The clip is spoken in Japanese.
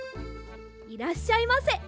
いらっしゃいませ。